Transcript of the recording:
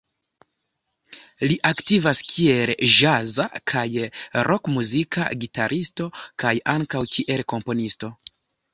Li aktivas kiel ĵaza kaj rokmuzika gitaristo kaj ankaŭ kiel komponisto.